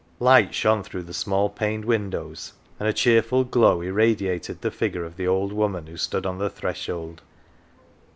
Light shone through the small paned windows and a cheerful glow irradiated the figure of the old woman who stood on the threshold.